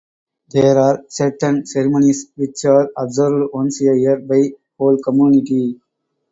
There are certain ceremonies which are observed once a year by a whole community.